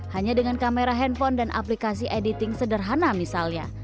hanya dengan kamera handphone dan aplikasi editing sederhana misalnya